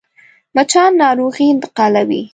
مچان ناروغي انتقالوي